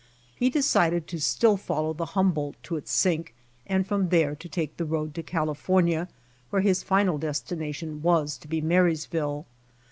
He decided to still follow the Humboldt to its sink, and from there to take the road to California, where his final destination was to be Marysville.